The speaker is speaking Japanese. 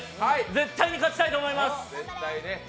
絶対に勝ちたいと思います。